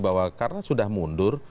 bahwa karena sudah mundur